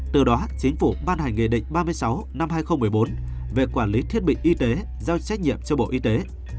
từ đó chính phủ ban hành nghị định ba mươi sáu năm hai nghìn một mươi bốn về quản lý thiết bị y tế giao trách nhiệm cho bộ y tế